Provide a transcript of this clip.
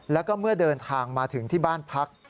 แล้วก็เมื่อเดินทางมาถึงที่บ้านพัก